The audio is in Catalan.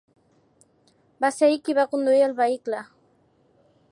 Va ser ell qui va conduir el vehicle!